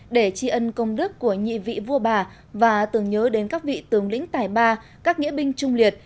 để tri ân công đức của nhị vị vua bà và tưởng nhớ đến các vị tướng lĩnh tài ba các nghĩa binh trung liệt